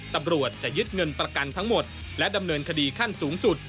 ตำรวจจะยึดเงินประกันทั้งหมดและดำเนินคดีขั้นสูงสุด